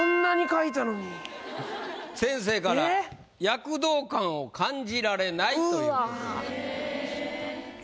先生から「躍動感を感じられない！」ということでございました。